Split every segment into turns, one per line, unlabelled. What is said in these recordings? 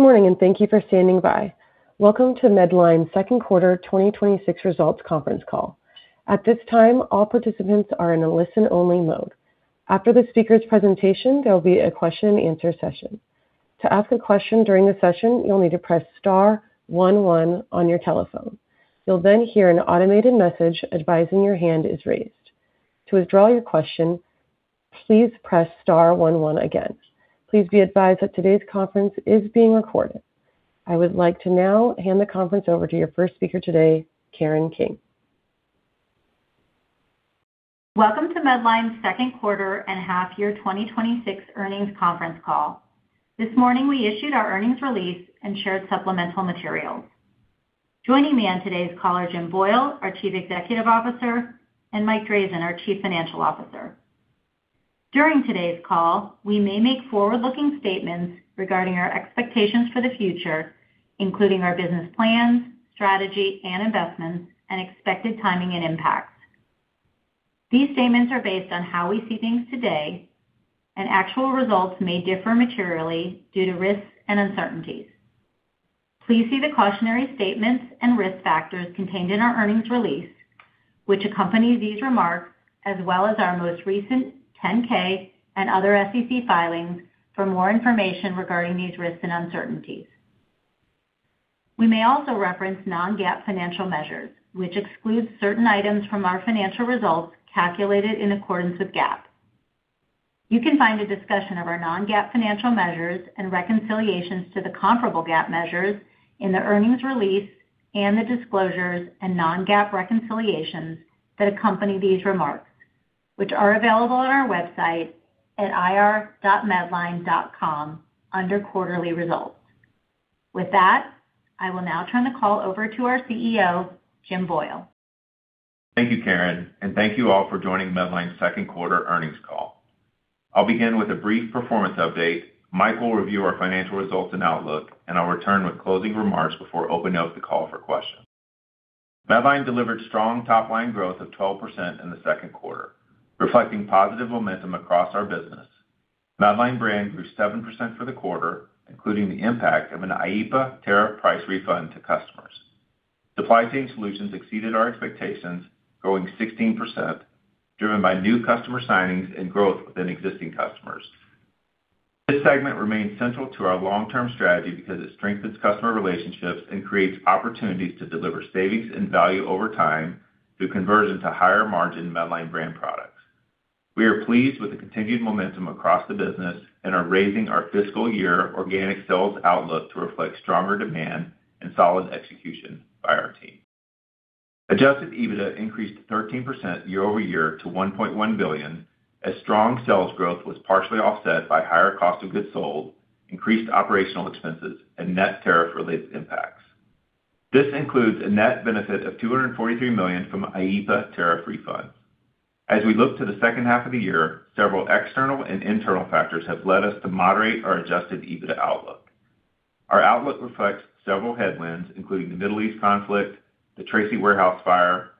Good morning. Thank you for standing by. Welcome to Medline's second quarter 2026 results conference call. At this time, all participants are in a listen-only mode. After the speaker's presentation, there will be a question and answer session. To ask a question during the session, you'll need to press star one one on your telephone. You'll hear an automated message advising your hand is raised. To withdraw your question, please press star one one again. Please be advised that today's conference is being recorded. I would like to now hand the conference over to your first speaker today, Karen King.
Welcome to Medline's second quarter and half year 2026 earnings conference call. This morning, we issued our earnings release and shared supplemental materials. Joining me on today's call are Jim Boyle, our Chief Executive Officer, and Mike Drazin, our Chief Financial Officer. During today's call, we may make forward-looking statements regarding our expectations for the future, including our business plans, strategy and investments, and expected timing and impacts. These statements are based on how we see things today. Actual results may differ materially due to risks and uncertainties. Please see the cautionary statements and risk factors contained in our earnings release, which accompany these remarks, as well as our most recent 10K and other SEC filings for more information regarding these risks and uncertainties. We may also reference non-GAAP financial measures, which excludes certain items from our financial results calculated in accordance with GAAP. You can find a discussion of our non-GAAP financial measures and reconciliations to the comparable GAAP measures in the earnings release and the disclosures and non-GAAP reconciliations that accompany these remarks, which are available on our website at ir.medline.com under Quarterly Results. With that, I will now turn the call over to our CEO, Jim Boyle.
Thank you, Karen. Thank you all for joining Medline's second quarter earnings call. I'll begin with a brief performance update. Mike will review our financial results and outlook. I'll return with closing remarks before opening up the call for questions. Medline delivered strong top line growth of 12% in the second quarter, reflecting positive momentum across our business. Medline Brand grew 7% for the quarter, including the impact of an IEEPA tariff price refund to customers. Supply Chain Solutions exceeded our expectations, growing 16%, driven by new customer signings and growth within existing customers. This segment remains central to our long term strategy because it strengthens customer relationships and creates opportunities to deliver savings and value over time through conversion to higher margin Medline Brand products. We are pleased with the continued momentum across the business and are raising our fiscal year organic sales outlook to reflect stronger demand and solid execution by our team. Adjusted EBITDA increased 13% year-over-year to $1.1 billion as strong sales growth was partially offset by higher cost of goods sold, increased operational expenses and net tariff related impacts. This includes a net benefit of $243 million from IEEPA tariff refunds. As we look to the second half of the year, several external and internal factors have led us to moderate our adjusted EBITDA outlook. Our outlook reflects several headwinds, including the Middle East conflict, the Tracy warehouse fire,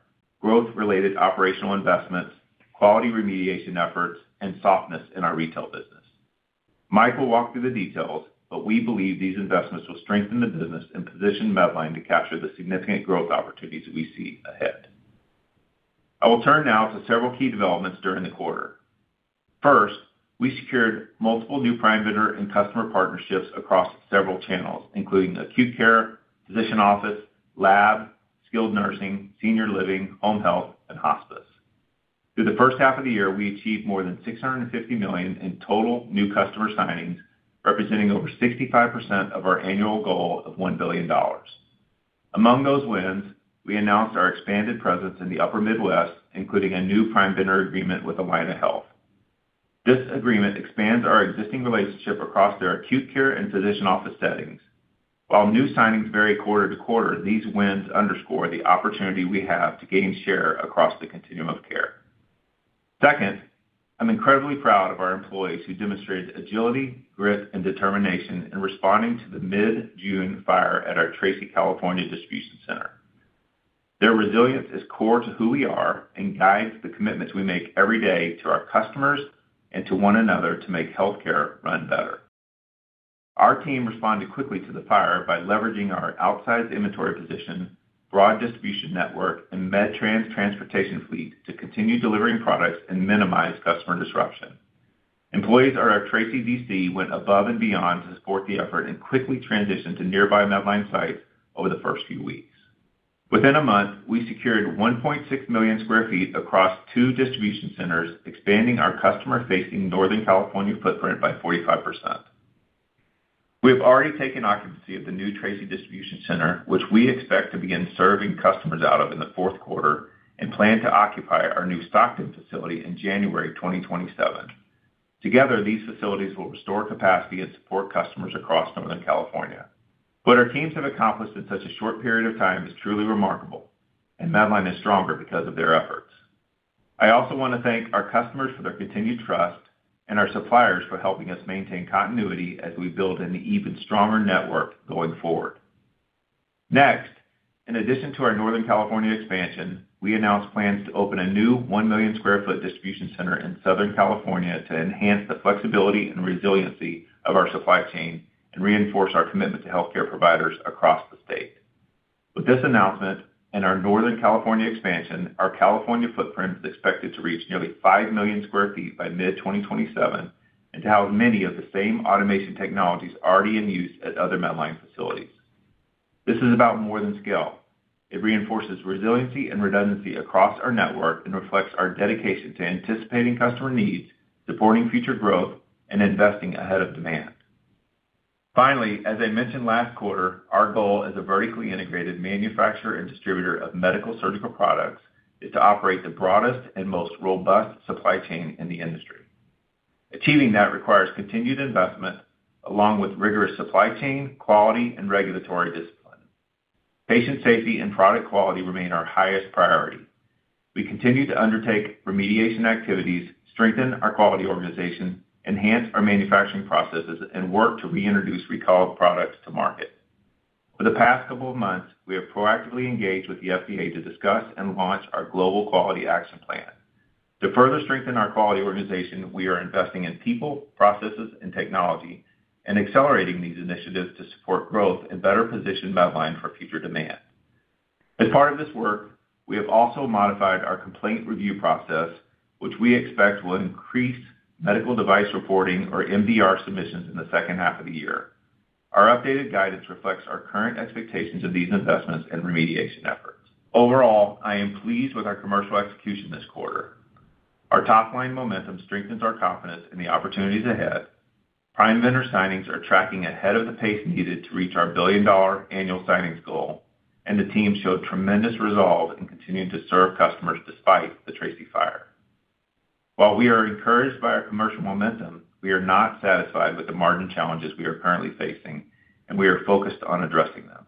growth related operational investments, quality remediation efforts, and softness in our retail business. Mike will walk through the details, but we believe these investments will strengthen the business and position Medline to capture the significant growth opportunities we see ahead. I will turn now to several key developments during the quarter. First, we secured multiple new prime vendor and customer partnerships across several channels, including acute care, physician office, lab, skilled nursing, senior living, home health and hospice. Through the first half of the year, we achieved more than $650 million in total new customer signings, representing over 65% of our annual goal of $1 billion. Among those wins, we announced our expanded presence in the upper Midwest, including a new prime vendor agreement with Allina Health. This agreement expands our existing relationship across their acute care and physician office settings. While new signings vary quarter-to-quarter, these wins underscore the opportunity we have to gain share across the continuum of care. Second, I'm incredibly proud of our employees who demonstrated agility, grit, and determination in responding to the mid-June fire at our Tracy, California distribution center. Their resilience is core to who we are and guides the commitments we make every day to our customers and to one another to make healthcare run better. Our team responded quickly to the fire by leveraging our outsized inventory position, broad distribution network, and MedTrans transportation fleet to continue delivering products and minimize customer disruption. Employees at our Tracy DC went above and beyond to support the effort and quickly transitioned to nearby Medline sites over the first few weeks. Within a month, we secured 1.6 million sq ft across two distribution centers, expanding our customer facing Northern California footprint by 45%. We have already taken occupancy of the new Tracy distribution center, which we expect to begin serving customers out of in the fourth quarter and plan to occupy our new Stockton facility in January 2027. Together, these facilities will restore capacity and support customers across Northern California. What our teams have accomplished in such a short period of time is truly remarkable, Medline is stronger because of their efforts. I also want to thank our customers for their continued trust and our suppliers for helping us maintain continuity as we build an even stronger network going forward. Next, in addition to our Northern California expansion, we announced plans to open a new 1 million sq ft distribution center in Southern California to enhance the flexibility and resiliency of our supply chain and reinforce our commitment to healthcare providers across the state. With this announcement and our Northern California expansion, our California footprint is expected to reach nearly 5 million sq ft by mid-2027 and to have many of the same automation technologies already in use at other Medline facilities. This is about more than scale. It reinforces resiliency and redundancy across our network and reflects our dedication to anticipating customer needs, supporting future growth, and investing ahead of demand. As I mentioned last quarter, our goal as a vertically integrated manufacturer and distributor of medical surgical products is to operate the broadest and most robust supply chain in the industry. Achieving that requires continued investment along with rigorous supply chain, quality, and regulatory discipline. Patient safety and product quality remain our highest priority. We continue to undertake remediation activities, strengthen our quality organization, enhance our manufacturing processes, and work to reintroduce recalled products to market. For the past couple of months, we have proactively engaged with the FDA to discuss and launch our global quality action plan. To further strengthen our quality organization, we are investing in people, processes, and technology, accelerating these initiatives to support growth and better position Medline for future demand. As part of this work, we have also modified our complaint review process, which we expect will increase medical device reporting or MDR submissions in the second half of the year. Our updated guidance reflects our current expectations of these investments and remediation efforts. Overall, I am pleased with our commercial execution this quarter. Our top-line momentum strengthens our confidence in the opportunities ahead. Prime vendor signings are tracking ahead of the pace needed to reach our billion-dollar annual signings goal, and the team showed tremendous resolve in continuing to serve customers despite the Tracy fire. While we are encouraged by our commercial momentum, we are not satisfied with the margin challenges we are currently facing, we are focused on addressing them.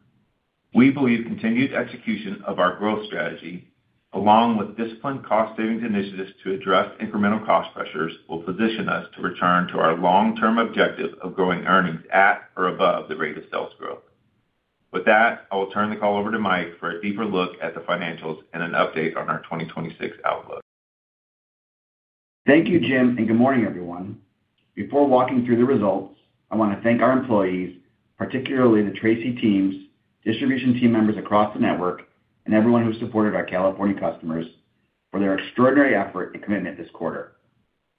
We believe continued execution of our growth strategy, along with disciplined cost-savings initiatives to address incremental cost pressures, will position us to return to our long-term objective of growing earnings at or above the rate of sales growth. With that, I will turn the call over to Mike for a deeper look at the financials and an update on our 2026 outlook.
Thank you, Jim, and good morning, everyone. Before walking through the results, I want to thank our employees, particularly the Tracy teams, distribution team members across the network, and everyone who supported our California customers for their extraordinary effort and commitment this quarter.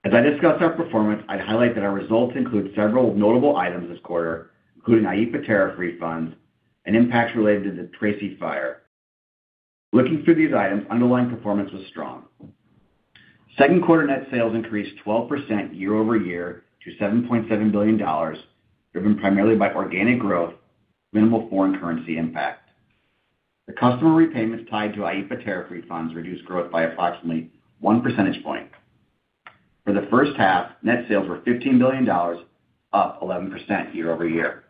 As I discuss our performance, I'd highlight that our results include several notable items this quarter, including IEEPA tariff refunds and impacts related to the Tracy fire. Looking through these items, underlying performance was strong. Second quarter net sales increased 12% year-over-year to $7.7 billion, driven primarily by organic growth, minimal foreign currency impact. The customer repayments tied to IEEPA tariff refunds reduced growth by approximately one percentage point. For the first half, net sales were $15 billion, up 11% year-over-year.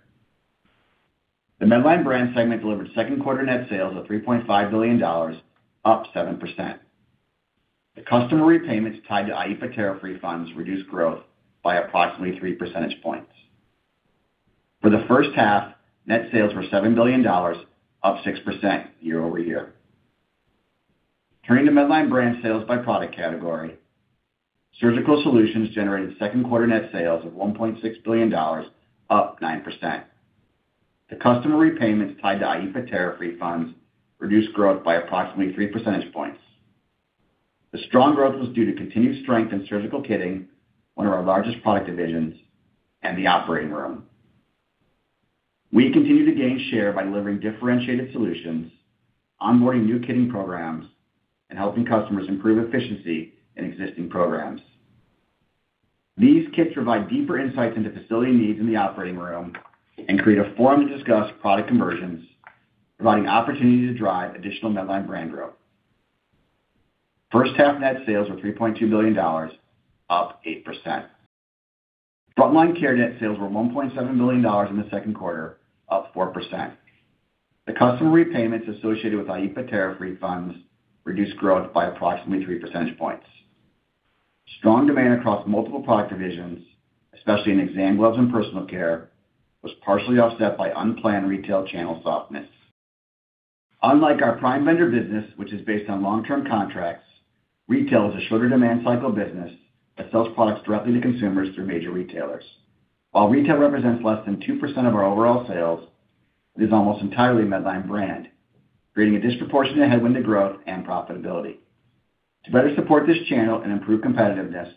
The Medline Brand segment delivered second quarter net sales of $3.5 billion, up 7%. The customer repayments tied to IEEPA tariff refunds reduced growth by approximately three percentage points. For the first half, net sales were $7 billion, up 6% year-over-year. Turning to Medline Brand sales by product category, Surgical Solutions generated second quarter net sales of $1.6 billion, up 9%. The customer repayments tied to IEEPA tariff refunds reduced growth by approximately three percentage points. The strong growth was due to continued strength in surgical kitting, one of our largest product divisions, and the operating room. We continue to gain share by delivering differentiated solutions, onboarding new kitting programs, and helping customers improve efficiency in existing programs. These kits provide deeper insights into facility needs in the operating room and create a forum to discuss product conversions, providing opportunities to drive additional Medline Brand growth. First half net sales were $3.2 billion, up 8%. Frontline Care net sales were $1.7 billion in the second quarter, up 4%. The customer repayments associated with IEEPA tariff refunds reduced growth by approximately three percentage points. Strong demand across multiple product divisions, especially in exam gloves and personal care, was partially offset by unplanned retail channel softness. Unlike our prime vendor business, which is based on long-term contracts, retail is a shorter demand cycle business that sells products directly to consumers through major retailers. While retail represents less than 2% of our overall sales, it is almost entirely Medline Brand, creating a disproportionate headwind to growth and profitability. To better support this channel and improve competitiveness,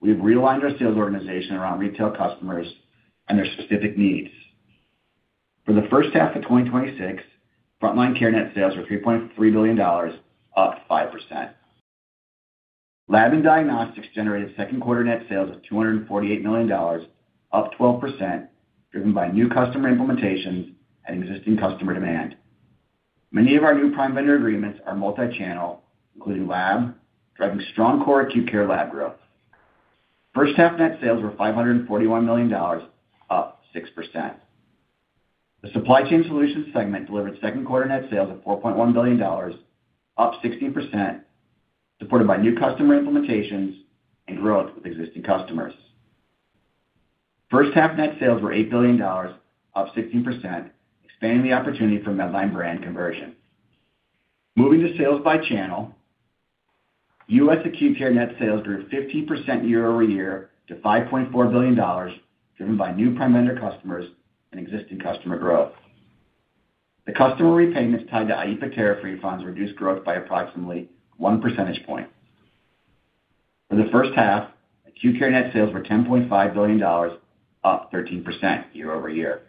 we've realigned our sales organization around retail customers and their specific needs. For the first half of 2026, Frontline Care net sales were $3.3 billion, up 5%. Lab and Diagnostics generated second quarter net sales of $248 million, up 12%, driven by new customer implementations and existing customer demand. Many of our new prime vendor agreements are multi-channel, including lab, driving strong core acute care lab growth. First half net sales were $541 million, up 6%. The Supply Chain Solutions segment delivered second quarter net sales of $4.1 billion, up 16%, supported by new customer implementations and growth with existing customers. First half net sales were $8 billion, up 16%, expanding the opportunity for Medline Brand conversion. Moving to sales by channel, U.S. acute care net sales grew 15% year-over-year to $5.4 billion, driven by new prime vendor customers and existing customer growth. The customer repayments tied to IEEPA tariff refunds reduced growth by approximately one percentage point. For the first half, acute care net sales were $10.5 billion, up 13% year-over-year.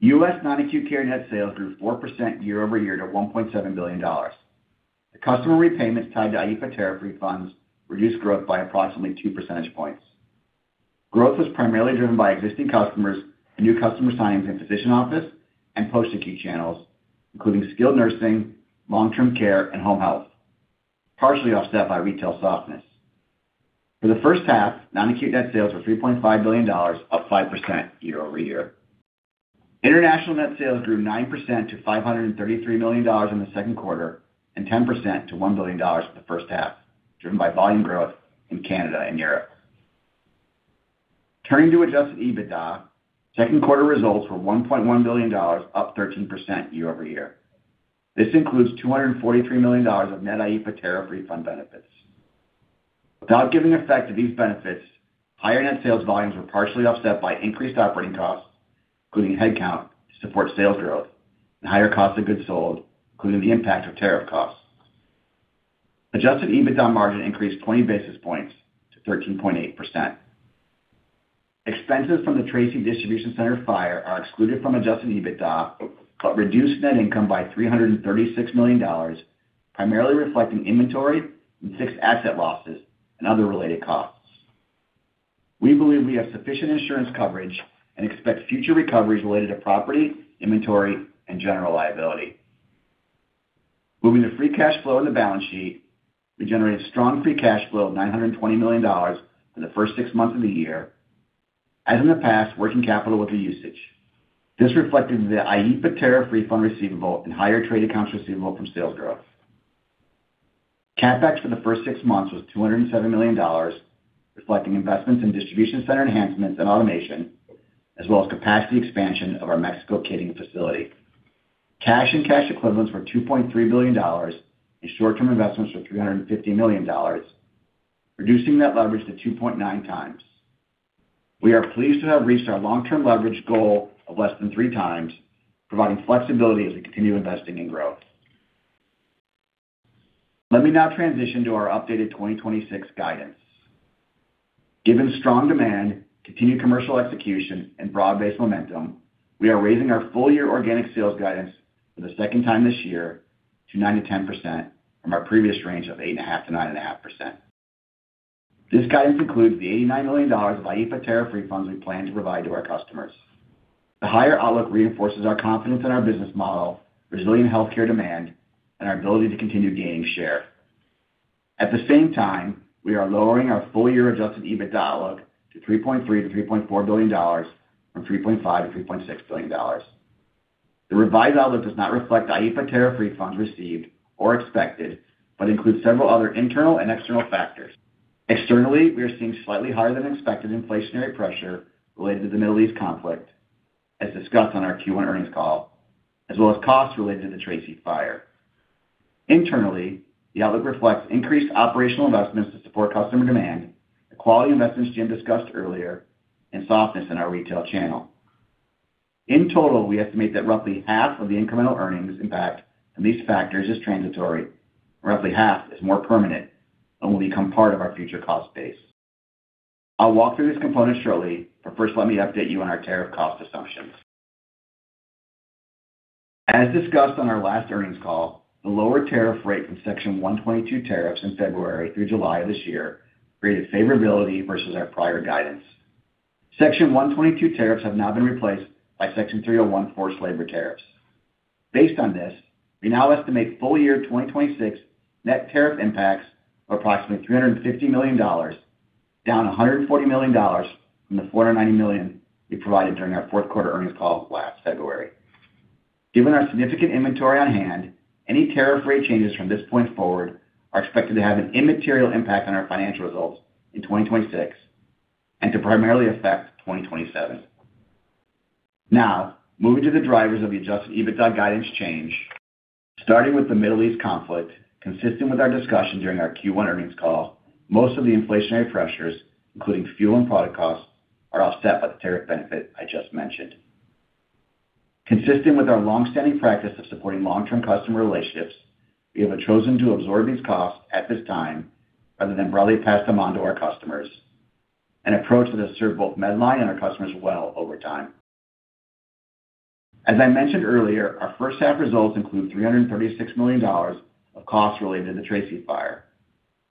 U.S. non-acute care net sales grew 4% year-over-year to $1.7 billion. The customer repayments tied to IEEPA tariff refunds reduced growth by approximately two percentage points. Growth was primarily driven by existing customers and new customer signings in physician office and post-acute channels, including skilled nursing, long-term care, and home health, partially offset by retail softness. For the first half, non-acute net sales were $3.5 billion, up 5% year-over-year. International net sales grew 9% to $533 million in the second quarter, and 10% to $1 billion for the first half, driven by volume growth in Canada and Europe. Turning to adjusted EBITDA, second quarter results were $1.1 billion, up 13% year-over-year. This includes $243 million of net IEEPA tariff refund benefits. Without giving effect to these benefits, higher net sales volumes were partially offset by increased operating costs, including headcount to support sales growth and higher cost of goods sold, including the impact of tariff costs. Adjusted EBITDA margin increased 20 basis points to 13.8%. Expenses from the Tracy distribution center fire are excluded from adjusted EBITDA, but reduced net income by $336 million, primarily reflecting inventory and fixed asset losses and other related costs. We believe we have sufficient insurance coverage and expect future recoveries related to property, inventory, and general liability. Moving to free cash flow and the balance sheet, we generated strong free cash flow of $920 million in the first six months of the year. As in the past, working capital with the usage. This reflected the IEEPA tariff refund receivable and higher trade accounts receivable from sales growth. CapEx for the first six months was $207 million, reflecting investments in distribution center enhancements and automation, as well as capacity expansion of our Mexico kitting facility. Cash and cash equivalents were $2.3 billion, and short-term investments were $350 million, reducing net leverage to 2.9x. We are pleased to have reached our long-term leverage goal of less than three times, providing flexibility as we continue investing in growth. Let me now transition to our updated 2026 guidance. Given strong demand, continued commercial execution, and broad-based momentum, we are raising our full-year organic sales guidance for the second time this year to 9%-10% from our previous range of 8.5%-9.5%. This guidance includes the $89 million of IEEPA tariff refunds we plan to provide to our customers. The higher outlook reinforces our confidence in our business model, resilient healthcare demand, and our ability to continue gaining share. The same time, we are lowering our full-year adjusted EBITDA outlook to $3.3 billion-$3.4 billion from $3.5 billion-$3.6 billion. The revised outlook does not reflect the IEEPA tariff refunds received or expected, but includes several other internal and external factors. Externally, we are seeing slightly higher than expected inflationary pressure related to the Middle East conflict, as discussed on our Q1 earnings call, as well as costs related to the Tracy fire. Internally, the outlook reflects increased operational investments to support customer demand, the quality investments Jim discussed earlier, and softness in our retail channel. In total, we estimate that roughly half of the incremental earnings impact from these factors is transitory and roughly half is more permanent and will become part of our future cost base. I'll walk through these components shortly, but first, let me update you on our tariff cost assumptions. Discussed on our last earnings call, the lower tariff rate from Section 122 tariffs in February through July of this year created favorability versus our prior guidance. Section 122 tariffs have now been replaced by Section 301 forced labor tariffs. Based on this, we now estimate full-year 2026 net tariff impacts of approximately $350 million, down $140 million from the $490 million we provided during our fourth quarter earnings call last February. Given our significant inventory on hand, any tariff rate changes from this point forward are expected to have an immaterial impact on our financial results in 2026 and to primarily affect 2027. Moving to the drivers of the adjusted EBITDA guidance change. Starting with the Middle East conflict, consistent with our discussion during our Q1 earnings call, most of the inflationary pressures, including fuel and product costs, are offset by the tariff benefit I just mentioned. Consistent with our long-standing practice of supporting long-term customer relationships, we have chosen to absorb these costs at this time rather than broadly pass them on to our customers, an approach that has served both Medline and our customers well over time. As I mentioned earlier, our first half results include $336 million of costs related to the Tracy fire.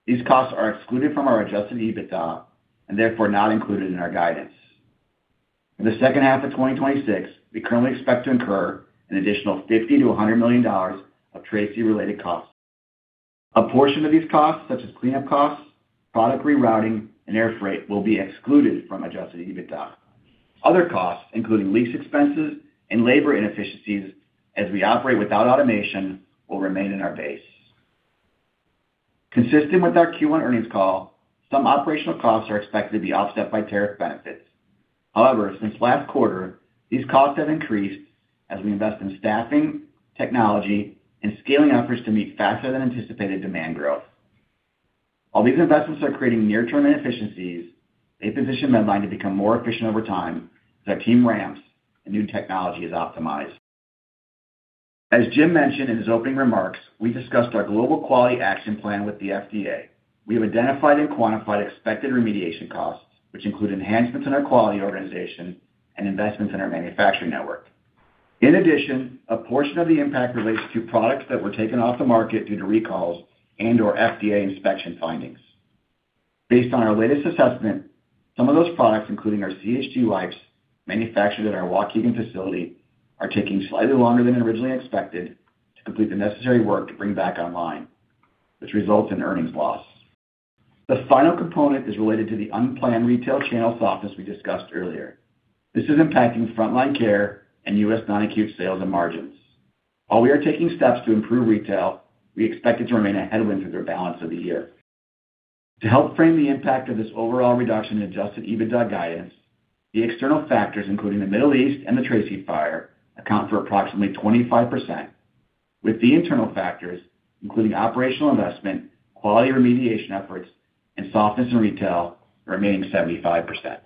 These costs are excluded from our adjusted EBITDA and therefore not included in our guidance. In the second half of 2026, we currently expect to incur an additional $50-$100 million of Tracy-related costs. A portion of these costs, such as cleanup costs, product rerouting, and air freight, will be excluded from adjusted EBITDA. Other costs, including lease expenses and labor inefficiencies as we operate without automation, will remain in our base. Consistent with our Q1 earnings call, some operational costs are expected to be offset by tariff benefits. Since last quarter, these costs have increased as we invest in staffing, technology, and scaling efforts to meet faster than anticipated demand growth. While these investments are creating near-term inefficiencies, they position Medline to become more efficient over time as our team ramps and new technology is optimized. As Jim mentioned in his opening remarks, we discussed our global quality action plan with the FDA. We have identified and quantified expected remediation costs, which include enhancements in our quality organization and investments in our manufacturing network. In addition, a portion of the impact relates to products that were taken off the market due to recalls and/or FDA inspection findings. Based on our latest assessment, some of those products, including our CHG wipes manufactured at our Waukegan facility, are taking slightly longer than originally expected to complete the necessary work to bring back online, which results in earnings loss. The final component is related to the unplanned retail channel softness we discussed earlier. This is impacting frontline care and U.S. non-acute sales and margins. While we are taking steps to improve retail, we expect it to remain a headwind through the balance of the year. To help frame the impact of this overall reduction in adjusted EBITDA guidance, the external factors, including the Middle East and the Tracy Fire, account for approximately 25%, with the internal factors, including operational investment, quality remediation efforts, and softness in retail, remaining 75%.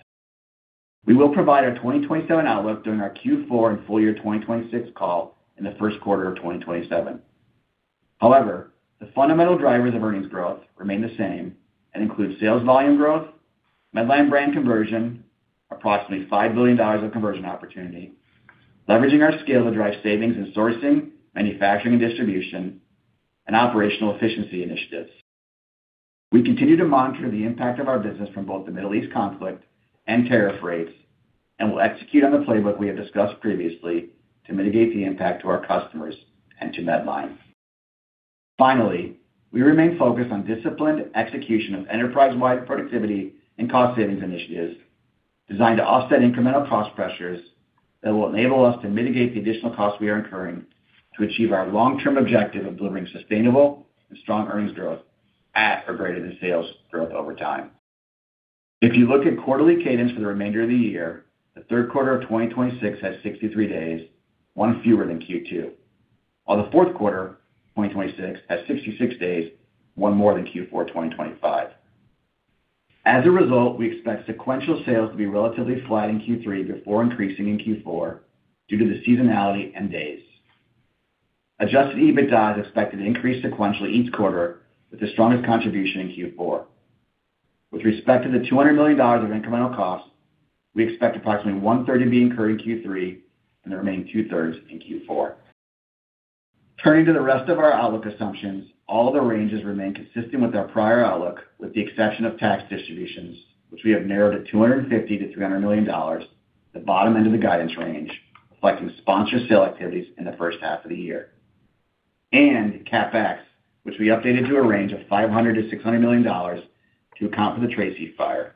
We will provide our 2027 outlook during our Q4 and full year 2026 call in the first quarter of 2027. The fundamental drivers of earnings growth remain the same and include sales volume growth, Medline Brand conversion, approximately $5 billion of conversion opportunity, leveraging our scale to drive savings in sourcing, manufacturing, and distribution, and operational efficiency initiatives. We continue to monitor the impact of our business from both the Middle East conflict and tariff rates and will execute on the playbook we have discussed previously to mitigate the impact to our customers and to Medline. We remain focused on disciplined execution of enterprise-wide productivity and cost savings initiatives designed to offset incremental cost pressures that will enable us to mitigate the additional costs we are incurring to achieve our long-term objective of delivering sustainable and strong earnings growth at or greater than sales growth over time. If you look at quarterly cadence for the remainder of the year, the third quarter of 2026 has 63 days, one fewer than Q2. While the fourth quarter 2026 has 66 days, one more than Q4 2025. As a result, we expect sequential sales to be relatively flat in Q3 before increasing in Q4 due to the seasonality and days. Adjusted EBITDA is expected to increase sequentially each quarter with the strongest contribution in Q4. With respect to the $200 million of incremental cost, we expect approximately one-third to be incurred in Q3 and the remaining two-thirds in Q4. Turning to the rest of our outlook assumptions, all the ranges remain consistent with our prior outlook, with the exception of tax distributions, which we have narrowed to $250 million-$300 million, the bottom end of the guidance range, reflecting sponsor sale activities in the first half of the year. CapEx, which we updated to a range of $500 million-$600 million to account for the Tracy fire.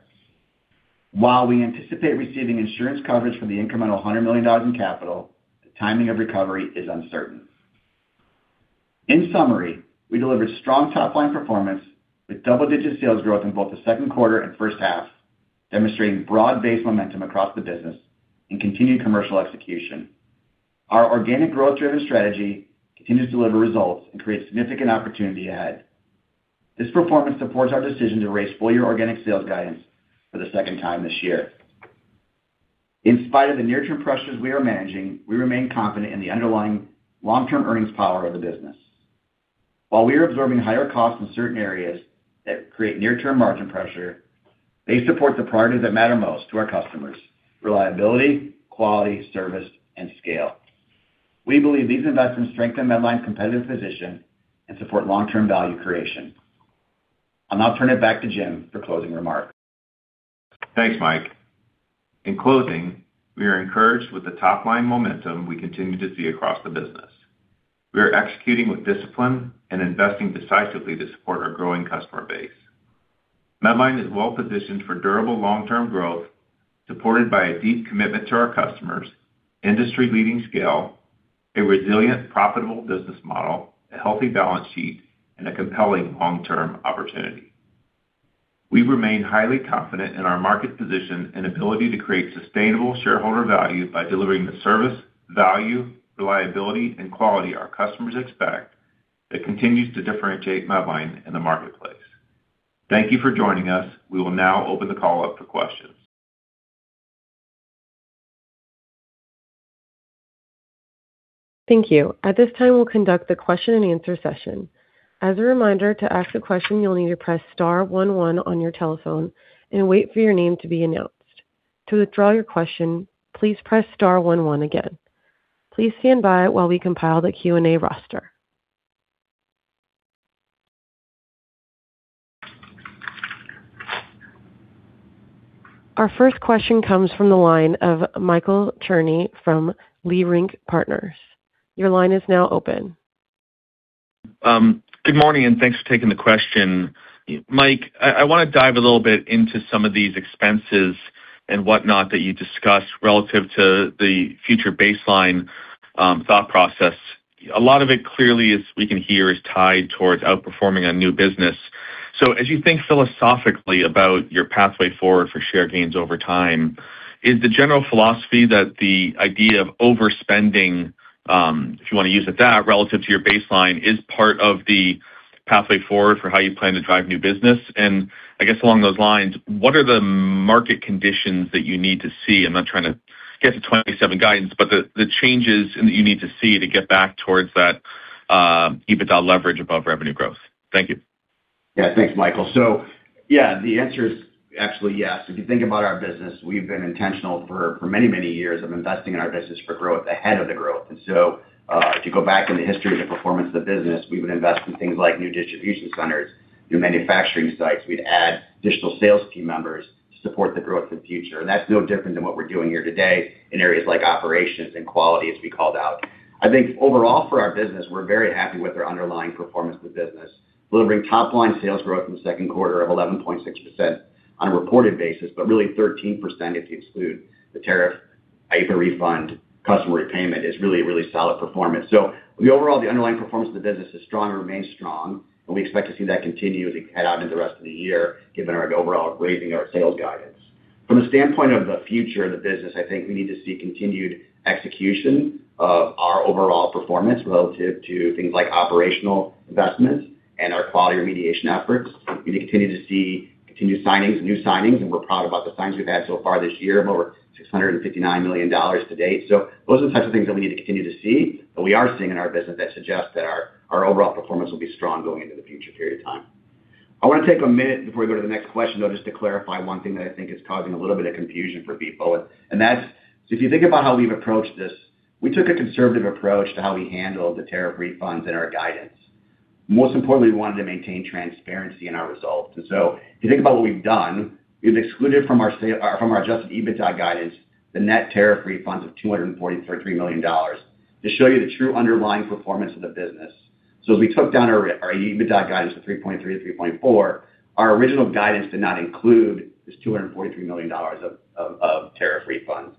While we anticipate receiving insurance coverage for the incremental $100 million in capital, the timing of recovery is uncertain. In summary, we delivered strong top-line performance with double-digit sales growth in both the second quarter and first half, demonstrating broad-based momentum across the business and continued commercial execution. Our organic growth-driven strategy continues to deliver results and create significant opportunity ahead. This performance supports our decision to raise full-year organic sales guidance for the second time this year. In spite of the near-term pressures we are managing, we remain confident in the underlying long-term earnings power of the business. While we are absorbing higher costs in certain areas that create near-term margin pressure, they support the priorities that matter most to our customers: reliability, quality, service, and scale. We believe these investments strengthen Medline's competitive position and support long-term value creation. I'll now turn it back to Jim for closing remarks.
Thanks, Mike. In closing, we are encouraged with the top-line momentum we continue to see across the business. We are executing with discipline and investing decisively to support our growing customer base. Medline is well positioned for durable long-term growth, supported by a deep commitment to our customers, industry-leading scale, a resilient, profitable business model, a healthy balance sheet, and a compelling long-term opportunity. We remain highly confident in our market position and ability to create sustainable shareholder value by delivering the service, value, reliability, and quality our customers expect that continues to differentiate Medline in the marketplace. Thank you for joining us. We will now open the call up for questions.
Thank you. At this time, we'll conduct the question and answer session. As a reminder, to ask a question, you'll need to press star one one on your telephone and wait for your name to be announced. To withdraw your question, please press star one one again. Please stand by while we compile the Q&A roster. Our first question comes from the line of Michael Cherny from Leerink Partners. Your line is now open.
Good morning. Thanks for taking the question. Mike, I want to dive a little bit into some of these expenses and whatnot that you discussed relative to the future baseline thought process. A lot of it clearly, as we can hear, is tied towards outperforming on new business. As you think philosophically about your pathway forward for share gains over time, is the general philosophy that the idea of overspending, if you want to use it that, relative to your baseline is part of the pathway forward for how you plan to drive new business? I guess along those lines, what are the market conditions that you need to see? I'm not trying to get to 2027 guidance, but the changes that you need to see to get back towards that EBITDA leverage above revenue growth. Thank you.
Thanks, Michael. The answer is actually yes. If you think about our business, we've been intentional for many, many years of investing in our business for growth ahead of the growth. If you go back in the history of the performance of the business, we would invest in things like new distribution centers, new manufacturing sites. We'd add additional sales team members to support the growth of the future. That's no different than what we're doing here today in areas like operations and quality, as we called out. I think overall for our business, we're very happy with our underlying performance of the business. Delivering top line sales growth in the second quarter of 11.6% on a reported basis, but really 13% if you exclude the tariff, IEEPA refund, customer repayment is really, really solid performance. The overall, the underlying performance of the business is strong and remains strong, and we expect to see that continue as we head out into the rest of the year, given our overall raising our sales guidance. From the standpoint of the future of the business, I think we need to see continued execution of our overall performance relative to things like operational investments and our quality remediation efforts. We need to continue to see continued signings, new signings, and we're proud about the signs we've had so far this year of over $659 million to date. Those are the types of things that we need to continue to see, but we are seeing in our business that suggests that our overall performance will be strong going into the future period of time. I want to take a minute before we go to the next question, though, just to clarify one thing that I think is causing a little bit of confusion for people, and that's, if you think about how we've approached this, we took a conservative approach to how we handle the tariff refunds and our guidance. Most importantly, we wanted to maintain transparency in our results. If you think about what we've done, we've excluded from our adjusted EBITDA guidance the net tariff refunds of $243 million to show you the true underlying performance of the business. As we took down our EBITDA guidance from $3.3-$3.4, our original guidance did not include this $243 million of tariff refunds.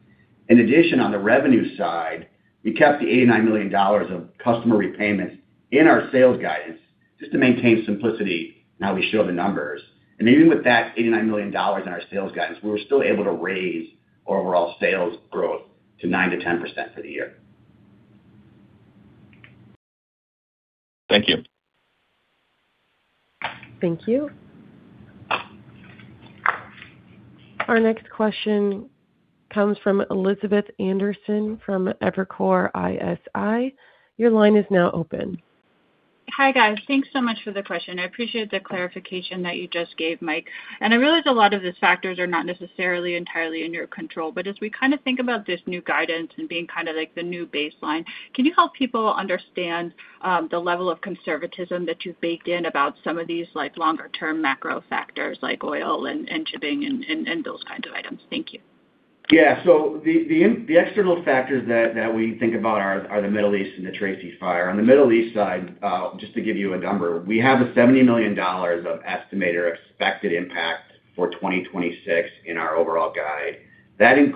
In addition, on the revenue side, we kept the $89 million of customer repayments in our sales guidance just to maintain simplicity in how we show the numbers. Even with that $89 million in our sales guidance, we were still able to raise our overall sales growth to 9%-10% for the year.
Thank you.
Thank you. Our next question comes from Elizabeth Anderson from Evercore ISI. Your line is now open.
Hi, guys. Thanks so much for the question. I appreciate the clarification that you just gave, Mike. I realize a lot of these factors are not necessarily entirely in your control, but as we kind of think about this new guidance and being kind of like the new baseline, can you help people understand the level of conservatism that you've baked in about some of these longer term macro factors like oil and shipping and those kind of items? Thank you.
Yeah. The external factors that we think about are the Middle East and the Tracy fire. On the Middle East side, just to give you a number, we have a $70 million of estimator expected impact for 2026 in our overall guide. That is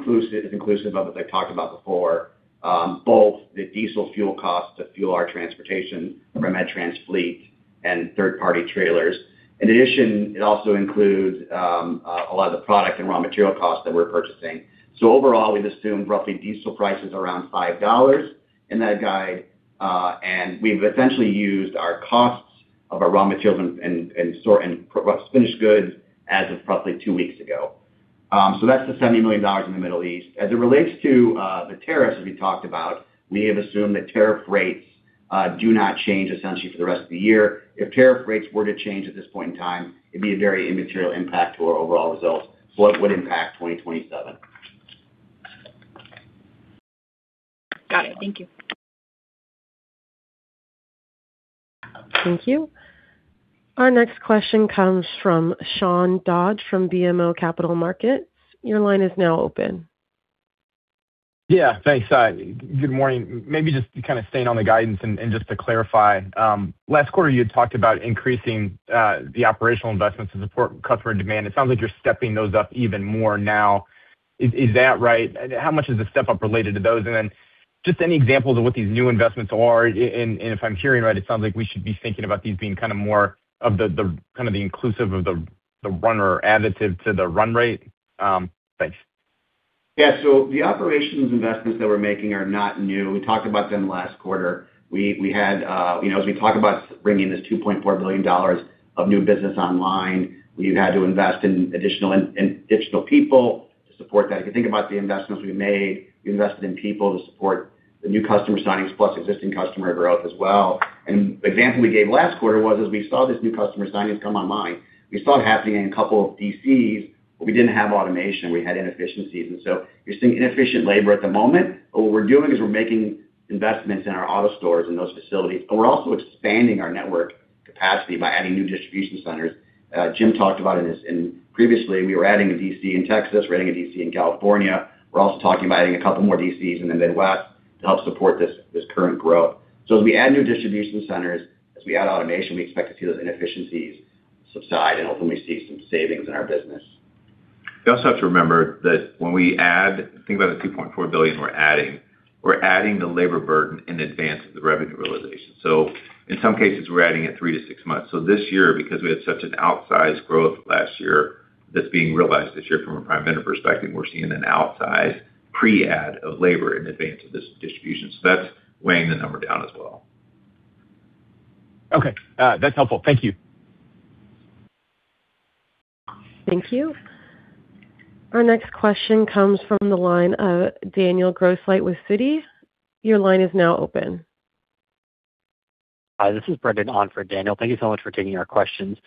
inclusive of what they've talked about before, both the diesel fuel cost to fuel our transportation from MedTrans fleet and third party trailers. In addition, it also includes a lot of the product and raw material costs that we're purchasing. Overall, we've assumed roughly diesel prices around $5 in that guide. We've essentially used our costs of our raw materials and finished goods as of roughly two weeks ago. That's the $70 million in the Middle East. As it relates to the tariffs, as we talked about, we have assumed that tariff rates do not change essentially for the rest of the year. If tariff rates were to change at this point in time, it'd be a very immaterial impact to our overall results. It would impact 2027.
Got it. Thank you.
Thank you. Our next question comes from Sean Dodge from BMO Capital Markets. Your line is now open.
Yeah, thanks. Good morning. Maybe just kind of staying on the guidance and just to clarify, last quarter you had talked about increasing the operational investments to support customer demand. It sounds like you're stepping those up even more now. Is that right? How much is the step-up related to those? Just any examples of what these new investments are? If I'm hearing right, it sounds like we should be thinking about these being kind of more of the inclusive of the run or additive to the run rate. Thanks.
Yeah. The operations investments that we're making are not new. We talked about them last quarter. As we talk about bringing this $2.4 billion of new business online, we've had to invest in additional people to support that. If you think about the investments we've made, we invested in people to support the new customer signings plus existing customer growth as well. The example we gave last quarter was as we saw these new customer signings come online, we saw it happening in a couple of DCs, but we didn't have automation. We had inefficiencies. You're seeing inefficient labor at the moment. What we're doing is we're making investments in our AutoStore and those facilities, but we're also expanding our network capacity by adding new distribution centers. Jim talked about in this previously, we were adding a DC in Texas, we're adding a DC in California. We're also talking about adding a couple more DCs in the Midwest. To help support this current growth. As we add new distribution centers, as we add automation, we expect to see those inefficiencies subside and hopefully see some savings in our business.
You also have to remember that when we add, think about the $2.4 billion we're adding, we're adding the labor burden in advance of the revenue realization. In some cases, we're adding it three to six months. This year, because we had such an outsized growth last year that's being realized this year from a prime vendor perspective, we're seeing an outsized pre-add of labor in advance of this distribution. That's weighing the number down as well.
Okay. That's helpful. Thank you.
Thank you. Our next question comes from the line of Daniel Grosslight with Citi. Your line is now open.
Hi, this is Brendan on for Daniel. Thank you so much for taking our questions.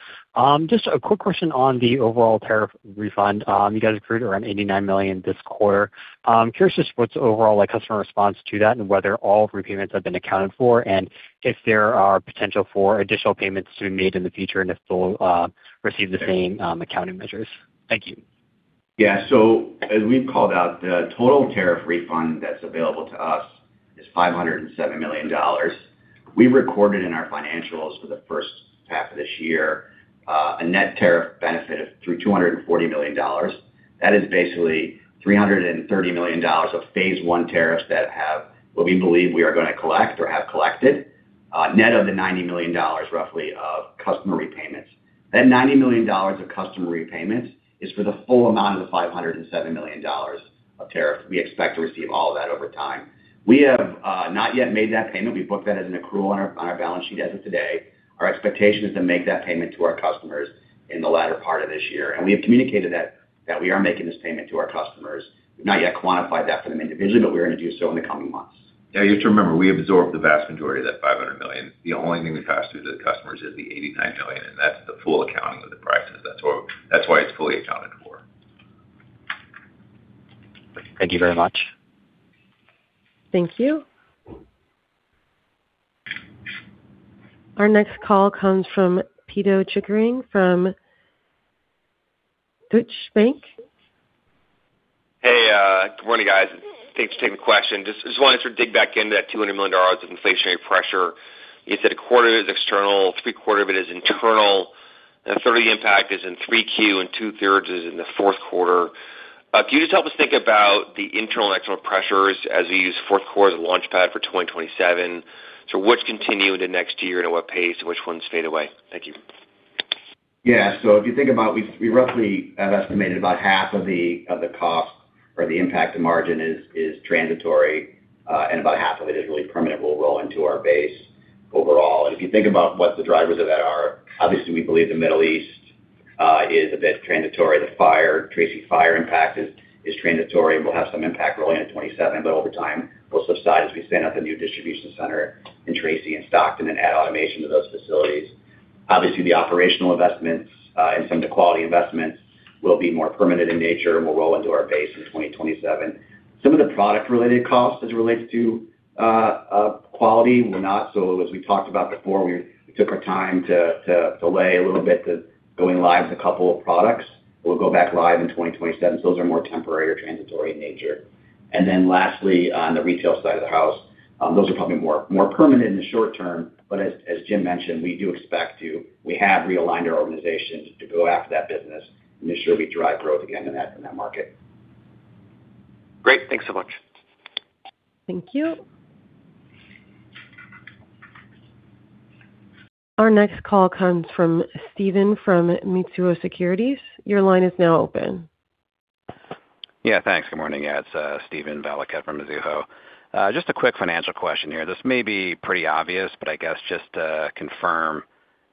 Just a quick question on the overall tariff refund. You guys accrued around $89 million this quarter. I'm curious just what's the overall customer response to that, and whether all repayments have been accounted for, and if there are potential for additional payments to be made in the future, and if they'll receive the same accounting measures. Thank you.
As we've called out, the total tariff refund that's available to us is $507 million. We recorded in our financials for the first half of this year a net tariff benefit of $240 million. That is basically $330 million of phase one tariffs that we believe we are going to collect or have collected, net of the $90 million roughly of customer repayments. That $90 million of customer repayments is for the full amount of the $507 million of tariffs. We expect to receive all of that over time. We have not yet made that payment. We booked that as an accrual on our balance sheet as of today. Our expectation is to make that payment to our customers in the latter part of this year. We have communicated that we are making this payment to our customers. We've not yet quantified that for them individually, but we're going to do so in the coming months.
You have to remember, we absorbed the vast majority of that $500 million. The only thing we passed through to the customers is the $89 million, and that's the full accounting of the prices. That's why it's fully accounted for.
Thank you very much.
Thank you. Our next call comes from Pito Chickering from Deutsche Bank.
Hey, good morning, guys. Thanks for taking the question. Just wanted to dig back into that $200 million of inflationary pressure. You said a quarter of it is external, three-quarter of it is internal, and a third of the impact is in three Q and two-thirds is in the fourth quarter. Can you just help us think about the internal and external pressures as we use the fourth quarter as a launchpad for 2027? Which continue into next year and at what pace, and which ones fade away? Thank you.
If you think about it, we roughly have estimated about half of the cost or the impact to margin is transitory, and about half of it is really permanent, will roll into our base overall. If you think about what the drivers of that are, obviously, we believe the Middle East is a bit transitory. The Tracy fire impact is transitory and will have some impact rolling into 2027, but over time, will subside as we stand up the new distribution center in Tracy and Stockton and add automation to those facilities. Obviously, the operational investments and some of the quality investments will be more permanent in nature and will roll into our base in 2027. Some of the product-related costs as it relates to quality will not. As we talked about before, we took our time to delay a little bit the going live with a couple of products. We'll go back live in 2027. Those are more temporary or transitory in nature. Lastly, on the retail side of the house, those are probably more permanent in the short term. As Jim mentioned, we do expect to. We have realigned our organizations to go after that business and ensure we drive growth again in that market.
Great. Thanks so much.
Thank you. Our next call comes from Steven from Mizuho Securities. Your line is now open.
Thanks. Good morning. It's Steven Valiquette from Mizuho. Just a quick financial question here. This may be pretty obvious, but I guess just to confirm.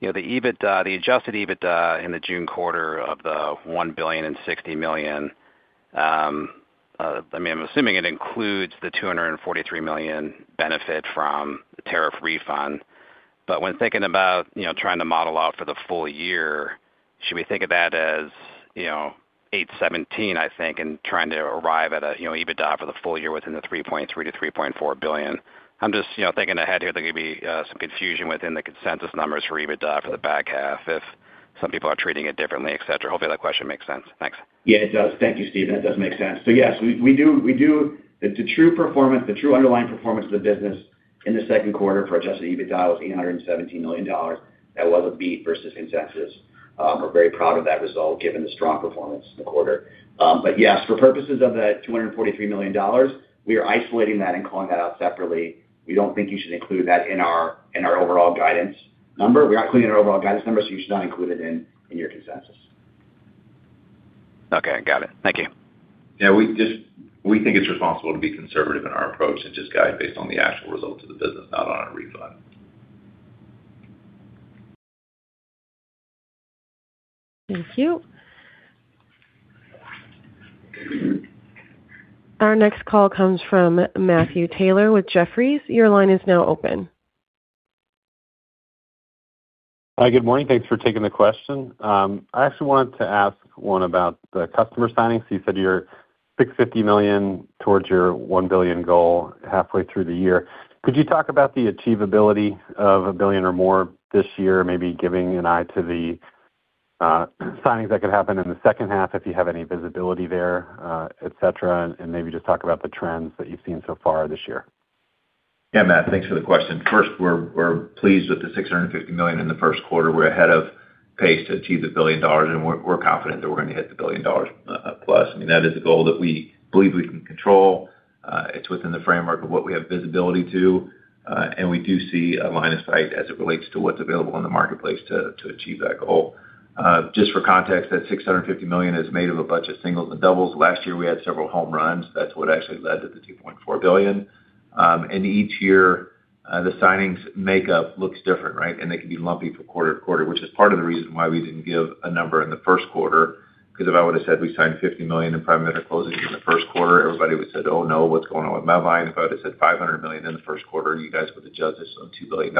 The adjusted EBITDA in the June quarter of the $1 billion and $60 million, I'm assuming it includes the $243 million benefit from the tariff refund. When thinking about trying to model out for the full year, should we think of that as $817 million, I think, and trying to arrive at an EBITDA for the full year within the $3.3 billion-$3.4 billion? I'm just thinking ahead here, there could be some confusion within the consensus numbers for EBITDA for the back half if some people are treating it differently, et cetera. Hopefully that question makes sense. Thanks.
It does. Thank you, Steven. That does make sense. Yes, the true underlying performance of the business in the second quarter for adjusted EBITDA was $817 million. That was a beat versus consensus. We're very proud of that result given the strong performance in the quarter. Yes, for purposes of that $243 million, we are isolating that and calling that out separately. We don't think you should include that in our overall guidance number. We're not including it in our overall guidance number, so you should not include it in your consensus.
Okay, got it. Thank you.
Yeah, we think it's responsible to be conservative in our approach and just guide based on the actual results of the business, not on a refund.
Thank you. Our next call comes from Matthew Taylor with Jefferies. Your line is now open.
Hi, good morning. Thanks for taking the question. I actually wanted to ask one about the customer signings. You said you're $650 million towards your $1 billion goal halfway through the year. Could you talk about the achievability of a billion or more this year? Signings that could happen in the second half, if you have any visibility there, et cetera, maybe just talk about the trends that you've seen so far this year.
Yeah, Matthew, thanks for the question. First, we're pleased with the $650 million in the first quarter. We're ahead of pace to achieve the $1 billion, we're confident that we're going to hit the $1 billion plus. That is a goal that we believe we can control. It's within the framework of what we have visibility to, we do see a line of sight as it relates to what's available in the marketplace to achieve that goal. Just for context, that $650 million is made of a bunch of singles and doubles. Last year, we had several home runs. That's what actually led to the $2.4 billion. Each year, the signings makeup looks different, right? They can be lumpy for quarter-to-quarter, which is part of the reason why we didn't give a number in the first quarter. Because if I would've said we signed $50 million in primary care closings in the first quarter, everybody would've said, "Oh, no, what's going on with Medline?" If I would've said $500 million in the first quarter, you guys would've judged us on $2 billion.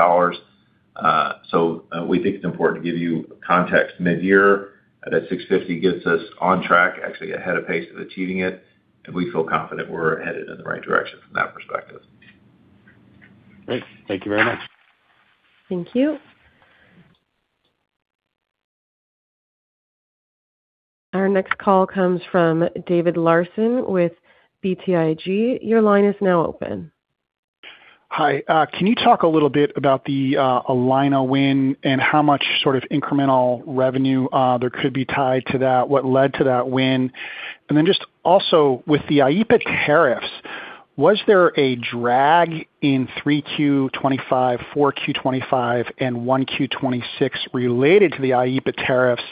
We think it's important to give you context mid-year. That $650 million gets us on track, actually ahead of pace to achieving it, we feel confident we're headed in the right direction from that perspective.
Great. Thank you very much.
Thank you. Our next call comes from David Larsen with BTIG. Your line is now open.
Then just also with the IEEPA tariffs, was there a drag in 3Q 2025, 4Q 2025, and 1Q 2026 related to the IEEPA tariffs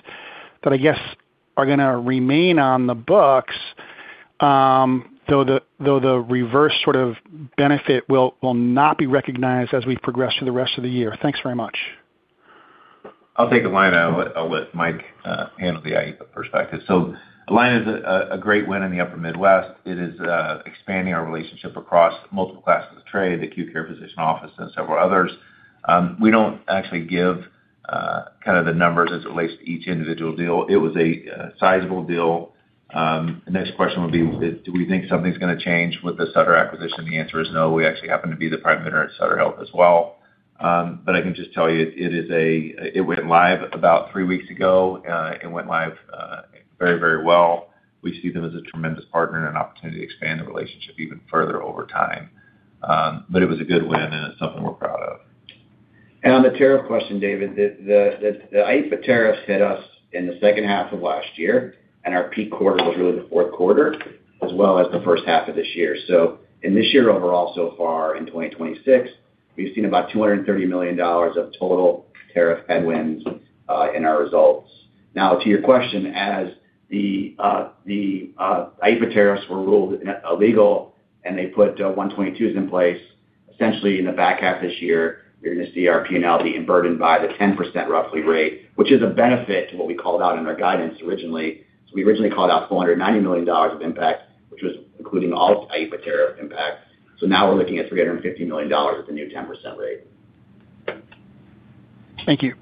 that I guess are going to remain on the books, though the reverse sort of benefit will not be recognized as we progress through the rest of the year? Thanks very much.
I'll take Allina. I'll let Mike handle the IEEPA perspective. Allina is a great win in the Upper Midwest. It is expanding our relationship across multiple classes of trade, the acute care physician office and several others. We don't actually give kind of the numbers as it relates to each individual deal. It was a sizable deal. The next question would be, do we think something's going to change with the Sutter acquisition? The answer is no. We actually happen to be the primary care at Sutter Health as well. I can just tell you, it went live about three weeks ago. It went live very well. We see them as a tremendous partner and an opportunity to expand the relationship even further over time. It was a good win, and it's something we're proud of.
On the tariff question, David, the IEEPA tariffs hit us in the second half of last year, and our peak quarter was really the fourth quarter as well as the first half of this year. In this year overall so far in 2026, we've seen about $230 million of total tariff headwinds in our results. To your question, as the IEEPA tariffs were ruled illegal and they put 122s in place, essentially in the back half of this year, you're going to see our P&L be unburdened by the 10% roughly rate, which is a benefit to what we called out in our guidance originally. We originally called out $490 million of impact, which was including all IEEPA tariff impact. Now we're looking at $350 million with the new 10% rate.
Thank you.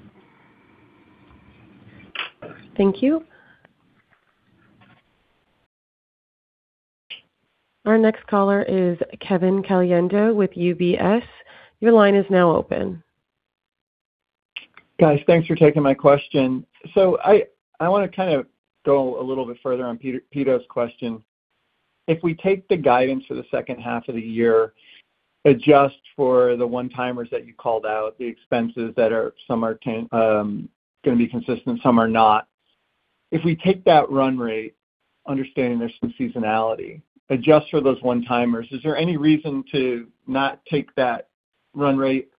Thank you. Our next caller is Kevin Caliendo with UBS. Your line is now open.
Guys, thanks for taking my question. I want to kind of go a little bit further on Pito question. If we take the guidance for the second half of the year, adjust for the one-timers that you called out, the expenses that some are going to be consistent, some are not. If we take that run rate, understanding there's some seasonality, adjust for those one-timers, is there any reason to not take that run rate,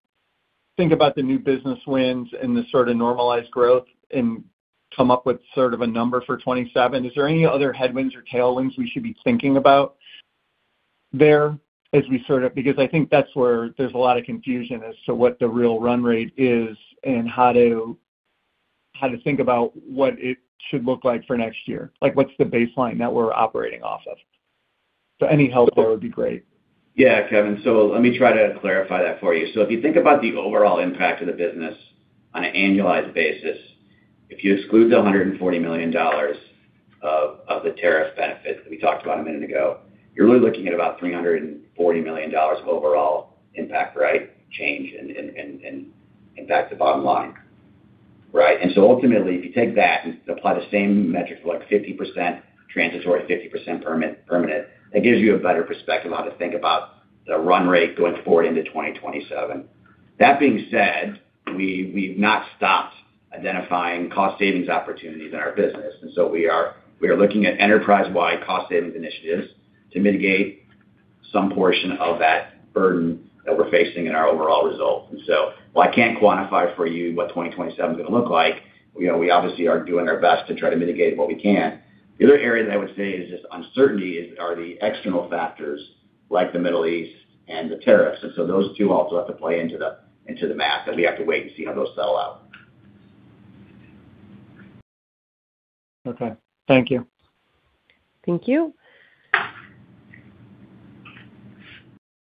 think about the new business wins and the sort of normalized growth and come up with sort of a number for 2027? Is there any other headwinds or tailwinds we should be thinking about there as we sort of, because I think that's where there's a lot of confusion as to what the real run rate is and how to think about what it should look like for next year. Like what's the baseline that we're operating off of? Any help there would be great.
Yeah, Kevin. Let me try to clarify that for you. If you think about the overall impact of the business on an annualized basis, if you exclude the $140 million of the tariff benefit that we talked about a minute ago, you're really looking at about $340 million of overall impact, right? Change and impact to bottom line. Right. Ultimately, if you take that and apply the same metrics like 50% transitory, 50% permanent, that gives you a better perspective on how to think about the run rate going forward into 2027. That being said, we've not stopped identifying cost savings opportunities in our business. We are looking at enterprise-wide cost savings initiatives to mitigate some portion of that burden that we're facing in our overall results. While I can't quantify for you what 2027 is going to look like, we obviously are doing our best to try to mitigate what we can. The other area that I would say is just uncertainty are the external factors like the Middle East and the tariffs. Those two also have to play into the math, and we have to wait and see how those settle out.
Okay. Thank you.
Thank you.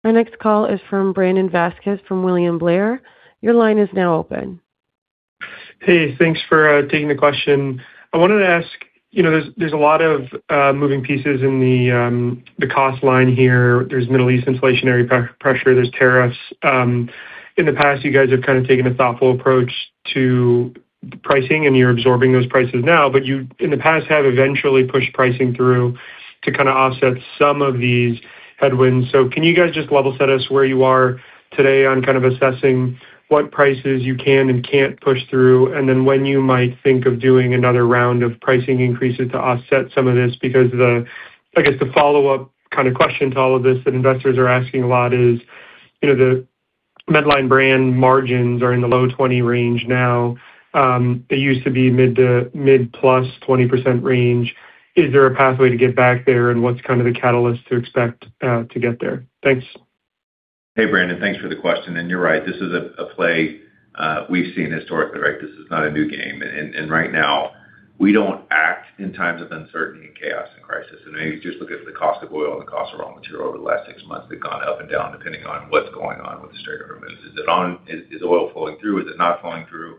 Our next call is from Brandon Vazquez from William Blair. Your line is now open.
Hey, thanks for taking the question. I wanted to ask, there's a lot of moving pieces in the cost line here. There's Middle East inflationary pressure, there's tariffs. In the past, you guys have kind of taken a thoughtful approach to pricing and you're absorbing those prices now, but you, in the past, have eventually pushed pricing through to kind of offset some of these headwinds. Can you guys just level set us where you are today on kind of assessing what prices you can and can't push through, and then when you might think of doing another round of pricing increases to offset some of this? I guess the follow-up question to all of this that investors are asking a lot is, the Medline Brand margins are in the low 20 range now. They used to be mid to mid-plus 20% range. Is there a pathway to get back there and what's the catalyst to expect to get there? Thanks.
Hey, Brandon. Thanks for the question. You're right, this is a play we've seen historically, right? This is not a new game. Right now, we don't act in times of uncertainty and chaos and crisis. Maybe just look at the cost of oil and the cost of raw material over the last six months. They've gone up and down depending on what's going on with the Strait of Hormuz. Is oil flowing through? Is it not flowing through?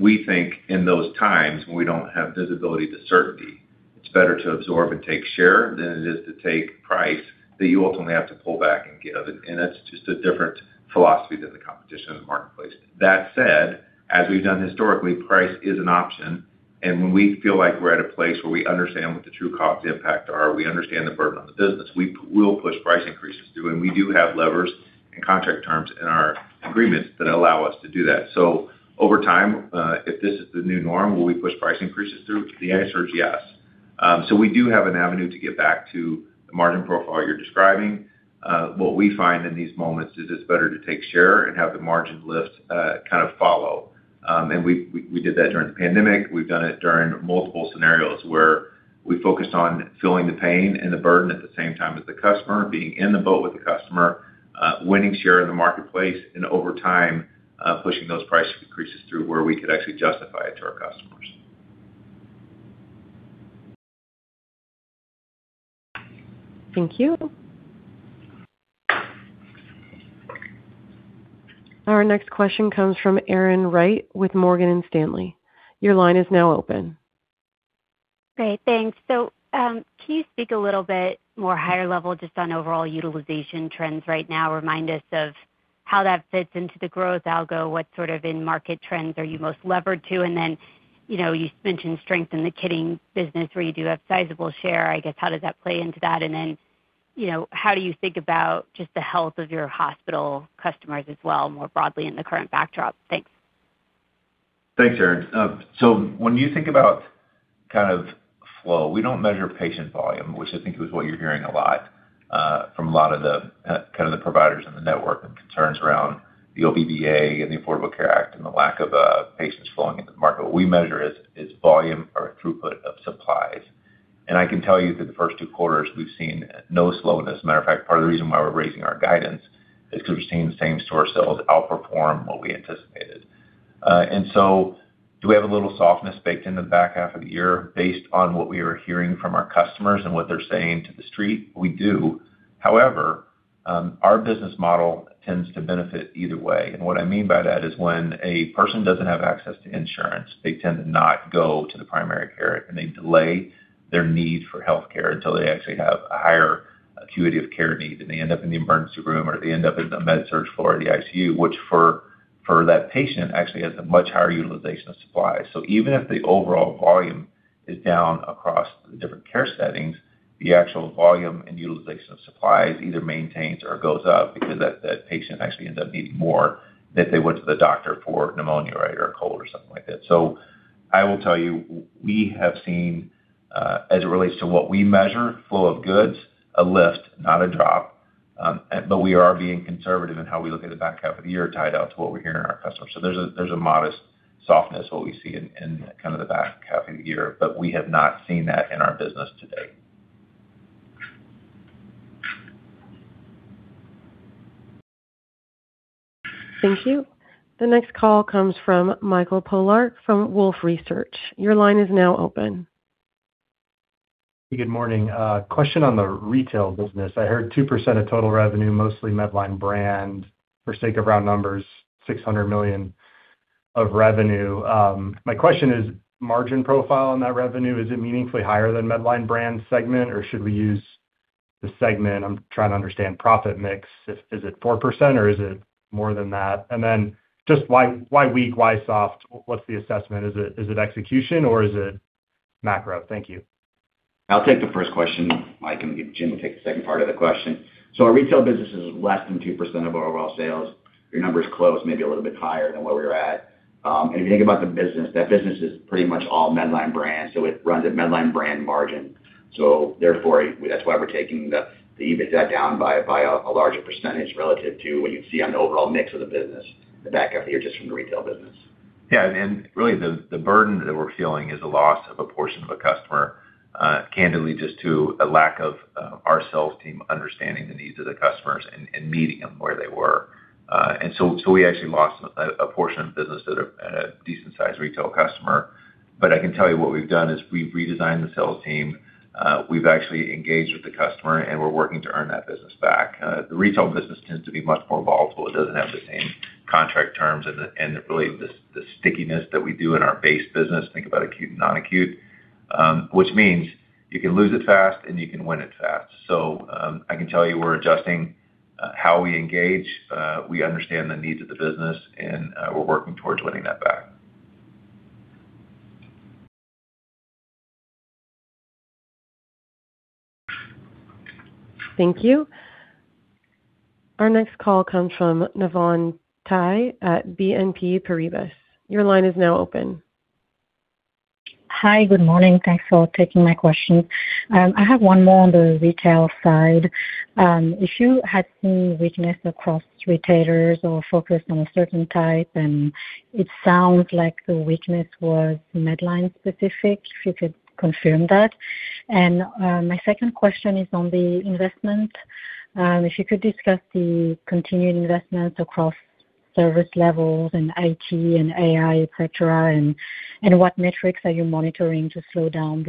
We think in those times when we don't have visibility to certainty, it's better to absorb and take share than it is to take price that you ultimately have to pull back and give. That's just a different philosophy than the competition in the marketplace. That said, as we've done historically, price is an option, and when we feel like we're at a place where we understand what the true cost impacts are, we understand the burden on the business, we will push price increases through, and we do have levers and contract terms in our agreements that allow us to do that. Over time, if this is the new norm, will we push price increases through? The answer is yes. We do have an avenue to get back to the margin profile you're describing. What we find in these moments is it's better to take share and have the margin lift, kind of follow. We did that during the pandemic. We've done it during multiple scenarios where we focused on feeling the pain and the burden at the same time as the customer, being in the boat with the customer, winning share in the marketplace and over time, pushing those price increases through where we could actually justify it to our customers.
Thank you. Our next question comes from Erin Wright with Morgan Stanley. Your line is now open.
Great. Thanks. Can you speak a little bit more higher level just on overall utilization trends right now? Remind us of how that fits into the growth algo. What sort of in-market trends are you most levered to? You mentioned strength in the kitting business where you do have sizable share. I guess, how does that play into that? How do you think about just the health of your hospital customers as well, more broadly in the current backdrop? Thanks.
Thanks, Erin. When you think about kind of flow, we don't measure patient volume, which I think is what you're hearing a lot from a lot of the providers in the network and concerns around the OBVA and the Affordable Care Act and the lack of patients flowing into the market. What we measure is volume or throughput of supplies. I can tell you that the first two quarters we've seen no slowness. Matter of fact, part of the reason why we're raising our guidance is because we're seeing the same store sales outperform what we anticipated. Do we have a little softness baked in the back half of the year based on what we are hearing from our customers and what they're saying to The Street? We do. However, our business model tends to benefit either way. What I mean by that is when a person doesn't have access to insurance, they tend to not go to the primary care and they delay their need for healthcare until they actually have a higher acuity of care need, and they end up in the emergency room, or they end up in the med surge floor or the ICU, which for that patient actually has a much higher utilization of supplies. Even if the overall volume is down across the different care settings, the actual volume and utilization of supplies either maintains or goes up because that patient actually ends up needing more if they went to the doctor for pneumonia or a cold or something like that. I will tell you, we have seen, as it relates to what we measure, flow of goods, a lift, not a drop. We are being conservative in how we look at the back half of the year tied out to what we're hearing from our customers. There's a modest softness, what we see in kind of the back half of the year, but we have not seen that in our business to date.
Thank you. The next call comes from Michael Pollack from Wolfe Research. Your line is now open.
Good morning. Question on the retail business. I heard 2% of total revenue, mostly Medline Brand, for sake of round numbers, $600 million of revenue. My question is margin profile on that revenue, is it meaningfully higher than Medline Brand segment, or should we use the segment? I'm trying to understand profit mix. Is it 4% or is it more than that? Then just why weak, why soft? What's the assessment? Is it execution or is it macro? Thank you.
I'll take the first question, Mike, and Jim will take the second part of the question. Our retail business is less than 2% of our overall sales. Your number's close, maybe a little bit higher than where we're at. If you think about the business, that business is pretty much all Medline Brand, it runs at Medline Brand margin. That's why we're taking the EBITDA down by a larger percentage relative to what you'd see on the overall mix of the business, the back half of the year, just from the retail business.
Yeah. Really the burden that we're feeling is a loss of a portion of a customer, candidly, just to a lack of our sales team understanding the needs of the customers and meeting them where they were. We actually lost a portion of business at a decent-sized retail customer. I can tell you what we've done is we've redesigned the sales team. We've actually engaged with the customer, and we're working to earn that business back. The retail business tends to be much more volatile. It doesn't have the same contract terms and really the stickiness that we do in our base business. Think about acute and non-acute. Which means you can lose it fast and you can win it fast. I can tell you we're adjusting How we engage, we understand the needs of the business, and we're working towards winning that back.
Thank you. Our next call comes from Navann Ty at BNP Paribas. Your line is now open.
Hi. Good morning. Thanks for taking my question. I have one more on the retail side. If you had seen weakness across retailers or focused on a certain type, and it sounds like the weakness was Medline specific, if you could confirm that. My second question is on the investment. If you could discuss the continuing investments across service levels and IT and AI, et cetera, and what metrics are you monitoring to slow down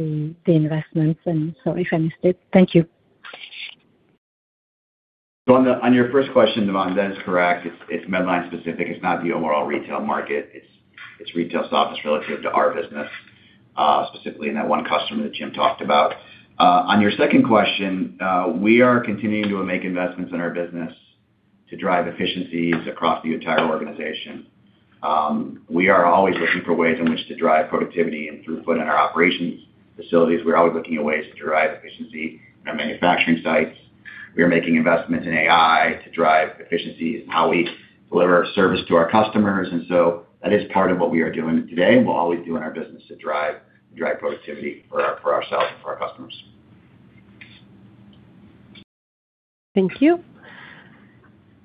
the investments. Sorry if I missed it. Thank you.
On your first question, Navann, that is correct. It's Medline specific. It's not the overall retail market. It's retail softness relative to our business, specifically in that one customer that Jim talked about. On your second question, we are continuing to make investments in our business to drive efficiencies across the entire organization. We are always looking for ways in which to drive productivity and throughput in our operations facilities. We're always looking at ways to drive efficiency in our manufacturing sites. We are making investments in AI to drive efficiencies in how we deliver our service to our customers. That is part of what we are doing today and will always do in our business to drive productivity for ourselves and for our customers.
Thank you.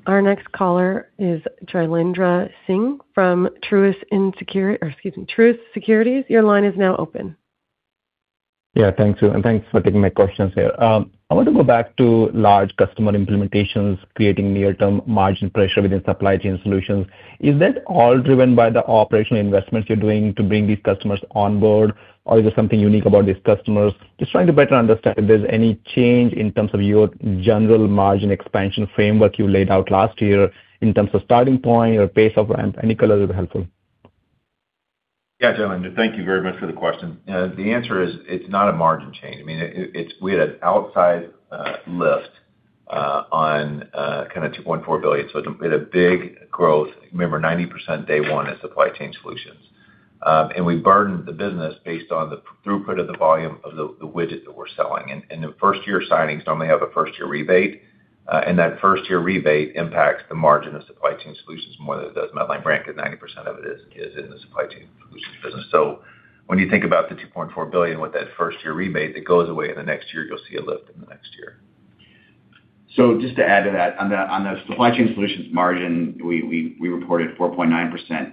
Our next caller is Jailendra Singh from Truist Securities. Your line is now open.
Yeah, thanks. Thanks for taking my questions here. I want to go back to large customer implementations creating near-term margin pressure within Supply Chain Solutions. Is that all driven by the operational investments you're doing to bring these customers on board, or is there something unique about these customers? Just trying to better understand if there's any change in terms of your general margin expansion framework you laid out last year in terms of starting point or pace of ramp. Any color would be helpful.
Jailendra, thank you very much for the question. It's not a margin change. We had an outside lift on $2.4 billion, it's a bit of big growth. Remember, 90% day one is Supply Chain Solutions. We burdened the business based on the throughput of the volume of the widget that we're selling. The first-year signings normally have a first-year rebate, and that first-year rebate impacts the margin of Supply Chain Solutions more than it does Medline Brand because 90% of it is in the Supply Chain Solutions business. When you think about the $2.4 billion with that first-year rebate, it goes away in the next year. You'll see a lift in the next year.
Just to add to that, on the Supply Chain Solutions margin, we reported 4.9%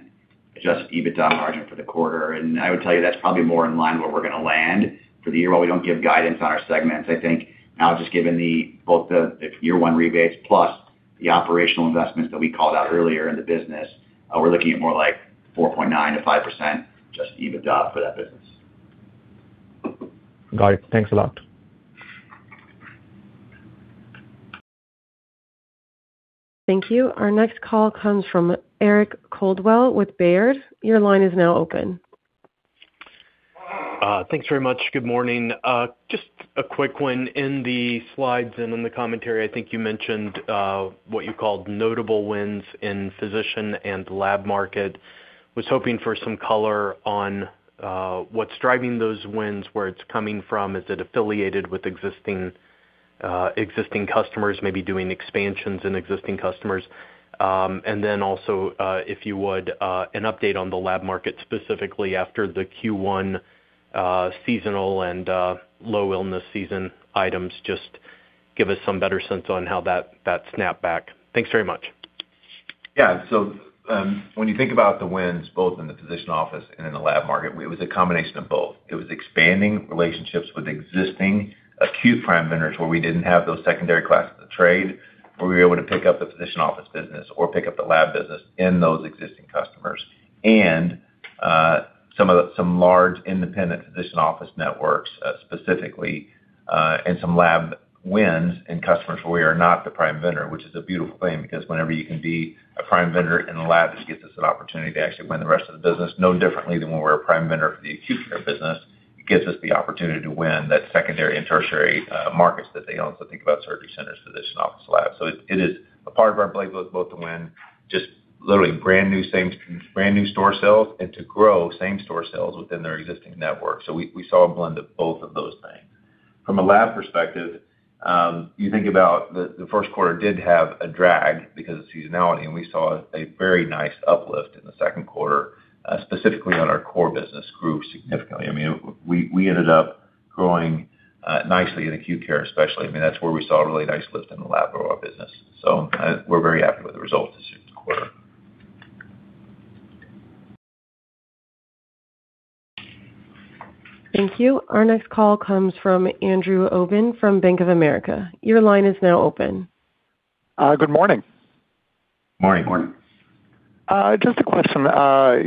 adjusted EBITDA margin for the quarter, I would tell you that's probably more in line where we're going to land for the year. While we don't give guidance on our segments, I think now just given both the year one rebates plus the operational investments that we called out earlier in the business, we're looking at more like 4.9%-5% adjusted EBITDA for that business.
Got it. Thanks a lot.
Thank you. Our next call comes from Eric Coldwell with Baird. Your line is now open.
Thanks very much. Good morning. Just a quick one. In the slides and in the commentary, I think you mentioned what you called notable wins in physician and lab market. Was hoping for some color on what's driving those wins, where it's coming from. Is it affiliated with existing customers, maybe doing expansions in existing customers? Also, if you would, an update on the lab market specifically after the Q1 seasonal and low illness season items. Just give us some better sense on how that snapped back. Thanks very much.
Yeah. When you think about the wins both in the physician office and in the lab market, it was a combination of both. It was expanding relationships with existing acute prime vendors where we didn't have those secondary classes of trade, where we were able to pick up the physician office business or pick up the lab business in those existing customers. Some large independent physician office networks, specifically, and some lab wins in customers where we are not the prime vendor, which is a beautiful thing because whenever you can be a prime vendor in the lab, this gives us an opportunity to actually win the rest of the business no differently than when we're a prime vendor for the acute care business. It gives us the opportunity to win that secondary and tertiary markets that they own. Think about surgery centers, physician office labs. It is a part of our playbook both to win just literally brand new store sales and to grow same-store sales within their existing network. We saw a blend of both of those things. From a lab perspective, you think about the first quarter did have a drag because of seasonality, and we saw a very nice uplift in the second quarter, specifically on our core business grew significantly. We ended up growing nicely in acute care especially. That's where we saw a really nice lift in the lab business. We're very happy with the results this quarter.
Thank you. Our next call comes from Andrew Obin from Bank of America. Your line is now open.
Good morning.
Morning.
Morning.
Just a question.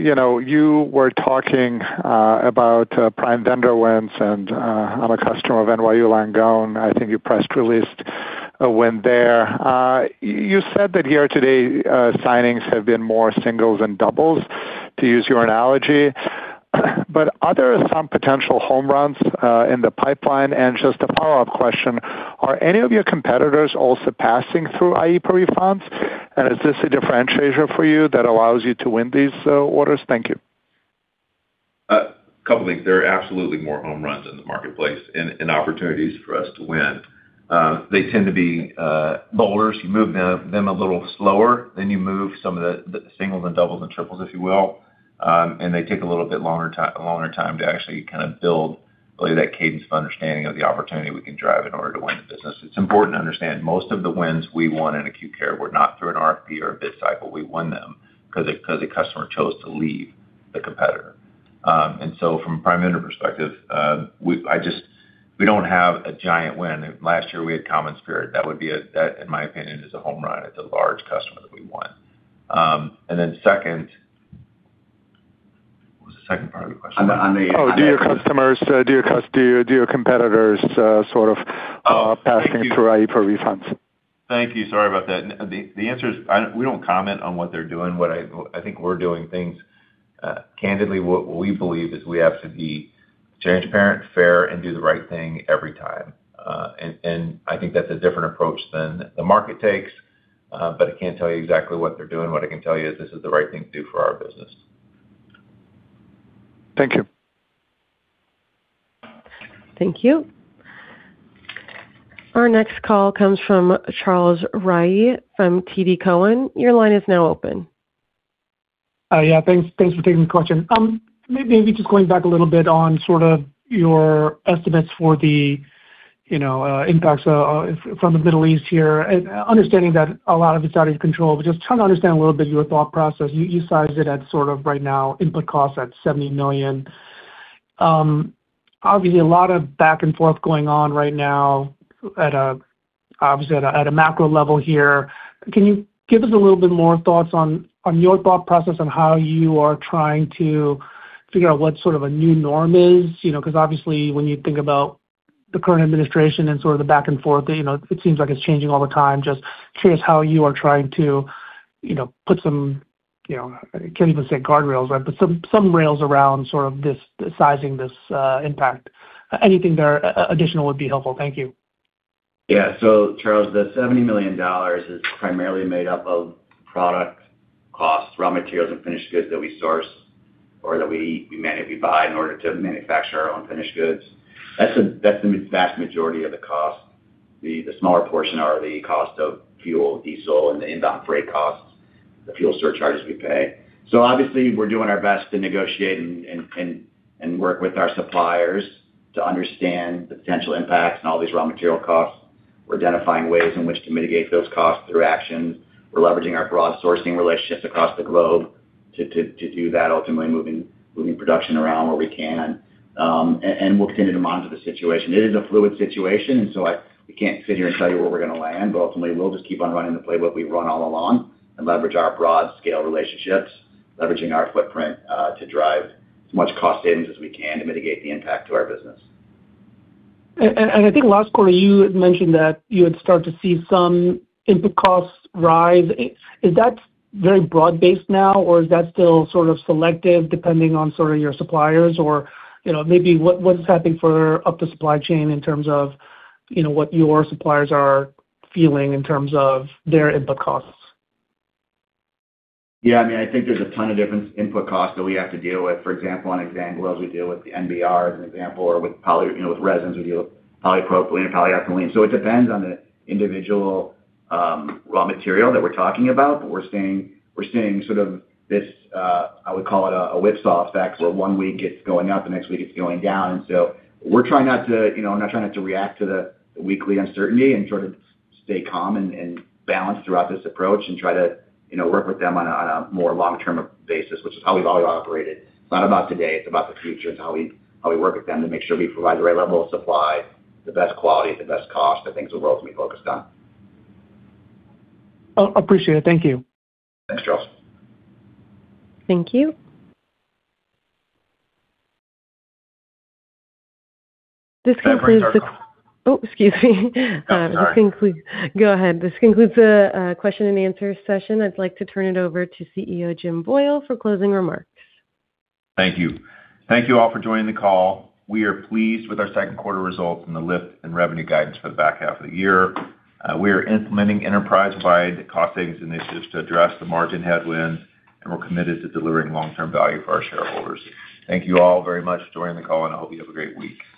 You were talking about prime vendor wins and I'm a customer of NYU Langone. I think you press release a win there. You said that here today signings have been more singles than doubles, to use your analogy. Are there some potential home runs in the pipeline? Just a follow-up question, are any of your competitors also passing through IEEPA pre-funds? Is this a differentiator for you that allows you to win these orders? Thank you. A couple of things. There are absolutely more home runs in the marketplace and opportunities for us to win. They tend to be larger. You move them a little slower than you move some of the singles and doubles and triples, if you will. They take a little bit longer time to actually build really that cadence of understanding of the opportunity we can drive in order to win the business. It's important to understand, most of the wins we won in acute care were not through an RFP or a bid cycle. We won them because a customer chose to leave the competitor. From a prime vendor perspective, we don't have a giant win. Last year, we had CommonSpirit. That in my opinion, is a home run. It's a large customer that we won. Then second, what was the second part of the question?
Do your competitors sort of passing through IEEPA pre-funds?
Thank you. Sorry about that. The answer is, we don't comment on what they're doing. I think we're doing things, candidly, what we believe is we have to be transparent, fair, and do the right thing every time. I think that's a different approach than the market takes, but I can't tell you exactly what they're doing. What I can tell you is this is the right thing to do for our business.
Thank you.
Thank you. Our next call comes from Charles Rhyee from TD Cowen. Your line is now open.
Yeah. Thanks for taking the question. Maybe just going back a little bit on sort of your estimates for the impacts from the Middle East here, understanding that a lot of it's out of your control, but just trying to understand a little bit your thought process. You sized it at sort of right now input costs at $70 million. Obviously, a lot of back and forth going on right now obviously at a macro level here. Can you give us a little bit more thoughts on your thought process on how you are trying to figure out what sort of a new norm is? Obviously when you think about the current administration and sort of the back and forth, it seems like it's changing all the time. Just curious how you are trying to put some, I can't even say guardrails, right, but some rails around sort of this sizing, this impact. Anything there additional would be helpful. Thank you.
Yeah. Charles, the $70 million is primarily made up of product costs, raw materials, and finished goods that we source or that we buy in order to manufacture our own finished goods. That's the vast majority of the cost. The smaller portion are the cost of fuel, diesel and the inbound freight costs, the fuel surcharges we pay. Obviously we're doing our best to negotiate and work with our suppliers to understand the potential impacts and all these raw material costs. We're identifying ways in which to mitigate those costs through actions. We're leveraging our broad sourcing relationships across the globe to do that, ultimately moving production around where we can. We'll continue to monitor the situation. It is a fluid situation, we can't sit here and tell you where we're going to land, ultimately, we'll just keep on running the playbook we've run all along and leverage our broad scale relationships, leveraging our footprint, to drive as much cost savings as we can to mitigate the impact to our business.
I think last quarter you had mentioned that you had started to see some input costs rise. Is that very broad based now, or is that still sort of selective depending on sort of your suppliers or maybe what's happening up the supply chain in terms of what your suppliers are feeling in terms of their input costs?
Yeah, I think there's a ton of different input costs that we have to deal with. For example, on exam gloves, we deal with the NBR as an example, or with resins, we deal with polypropylene or polyethylene. It depends on the individual raw material that we're talking about. We're seeing sort of this, I would call it a whipsaw effect, where one week it's going up, the next week it's going down. We're trying not to react to the weekly uncertainty and sort of stay calm and balanced throughout this approach and try to work with them on a more long-term basis, which is how we've always operated. It's not about today. It's about the future. It's how we work with them to make sure we provide the right level of supply, the best quality at the best cost.
The things the world's been focused on.
Appreciate it. Thank you.
Thanks, Charles.
Thank you. This concludes.
That brings our.
Oh, excuse me.
No, sorry.
Go ahead. This concludes the question and answer session. I'd like to turn it over to CEO Jim Boyle for closing remarks.
Thank you. Thank you all for joining the call. We are pleased with our second quarter results and the lift and revenue guidance for the back half of the year. We are implementing enterprise-wide cost savings initiatives to address the margin headwind, and we're committed to delivering long-term value for our shareholders. Thank you all very much for joining the call, and I hope you have a great week.